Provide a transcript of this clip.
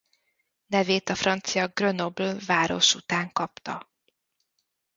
Nevét a francia Grenoble város után kapta.